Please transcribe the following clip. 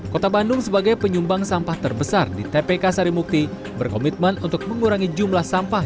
kota bandung sebagai penyumbang sampah terbesar di tpk sarimukti berkomitmen untuk mengurangi jumlah sampah